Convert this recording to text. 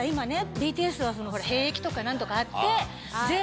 ＢＴＳは兵役とか何とかあって。